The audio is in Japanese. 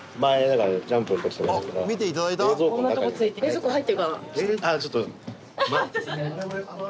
あちょっと。